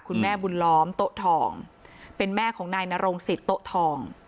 คุณแม่บุญล้อมโต๊ะทองเป็นแม่ของนายนรงสิทธิโต๊ะทอง